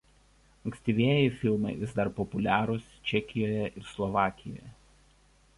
Ankstyvieji filmai vis dar populiarūs Čekijoje ir Slovakijoje.